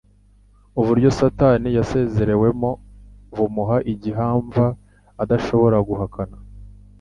Uburyo Satani yasezerewemo bumuha igihamva adashobora guhakana.